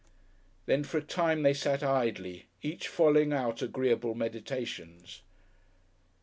Then for a time they sat idly, each following out agreeable meditations.